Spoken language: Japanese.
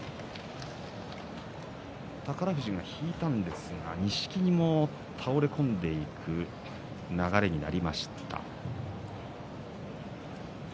宝富士が引いたんですが錦木も倒れ込んでいく流れになりました。